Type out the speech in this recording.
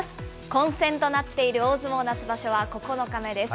混戦となっている大相撲夏場所は９日目です。